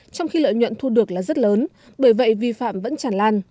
trong khi lợi nhuận thu được là rất lớn bởi vậy vi phạm vẫn chản lan